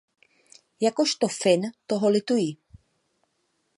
Jakožto Fin toho lituji.